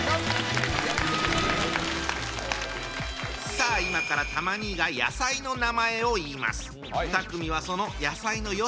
さあ今からたま兄が野菜の名前を言います。